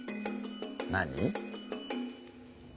何？